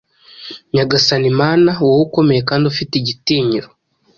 Nyagasani Mana, wowe ukomeye kandi ufite igitinyiro,